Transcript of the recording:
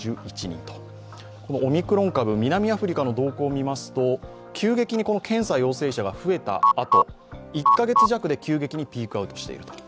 オミクロン株南アフリカの動向をみますと急激に検査陽性者が増えたあと１カ月弱で急激にピークアウトしている。